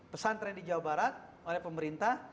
pesan tren di jawa barat oleh pemerintah